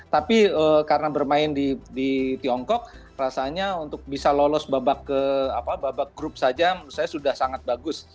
tapi karena bermain di tiongkok rasanya untuk bisa lolos babak ke babak grup saja menurut saya sudah sangat bagus